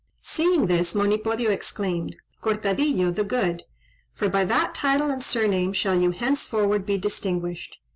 Seeing this, Monipodio exclaimed "Cortadillo the Good! for by that title and surname shall you henceforward be distinguished.